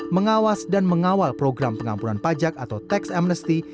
mengawas dan mengawal program pengampunan pajak atau tax amnesty